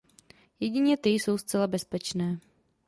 Jedině ty jsou zcela bezpečné.